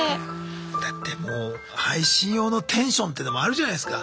だってもう配信用のテンションってのもあるじゃないすか。